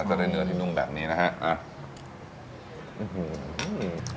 ก็ได้เนื้อที่นุ่มแบบนี้นะครับ